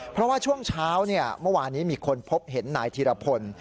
เพราะว่าช่วงเช้าเมื่อวานนี้มีคนพบเห็นนายธีรพล